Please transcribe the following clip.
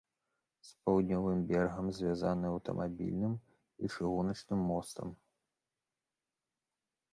З паўднёвым берагам звязаны аўтамабільным і чыгуначным мостам.